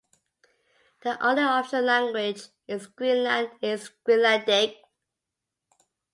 The only official language of Greenland is Greenlandic.